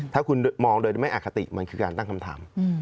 ถ้าคุณมองโดยไม่อคติมันคือการตั้งคำถาม